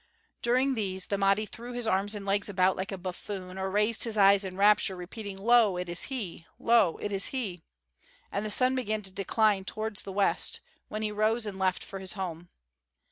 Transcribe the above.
During these the Mahdi threw his arms and legs about like a buffoon or raised his eyes in rapture, repeating "Lo! It is he!" "Lo! It is he!" and the sun began to decline towards the west, when he rose and left for his home.